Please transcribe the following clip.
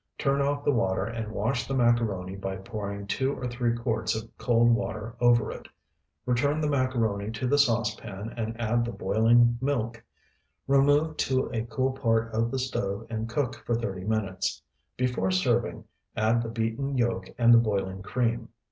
Turn off the water and wash the macaroni by pouring two or three quarts of cold water over it. Return the macaroni to the saucepan and add the boiling milk. Remove to a cool part of the stove and cook for thirty minutes. Before serving, add the beaten yolk and the boiling cream.